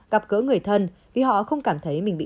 gặp gỡ người thân vì họ không cảm thấy mình bị